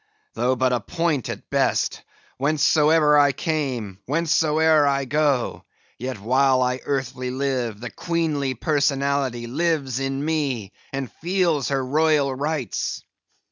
Though but a point at best; whencesoe'er I came; wheresoe'er I go; yet while I earthly live, the queenly personality lives in me, and feels her royal rights.